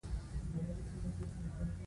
انسان په خپل ژوند کې ډله ایز کار کوي.